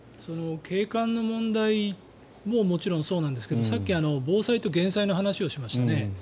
景観の問題ももちろんそうなんですがさっき防災と減災の話をしましたね。